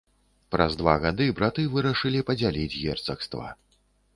Праз два гады браты вырашылі падзяліць герцагства.